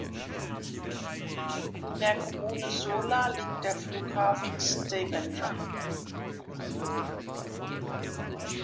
In der Kommune Sola liegt der Flughafen Stavanger.